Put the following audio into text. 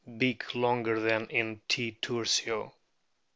Beak longer than in T. tursio.